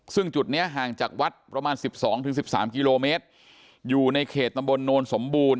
ซึ่งจุดนี้ห่างจากวัดประมาณ๑๒๑๓กิโลเมตรอยู่ในเขตตำบลโนนสมบูรณ